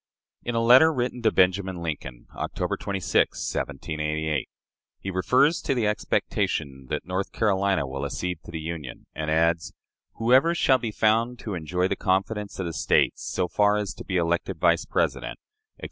In a letter written to Benjamin Lincoln, October 26, 1788, he refers to the expectation that North Carolina will accede to the Union, and adds, "Whoever shall be found to enjoy the confidence of the States so far as to be elected Vice President," etc.